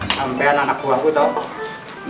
sampai anak buahku toh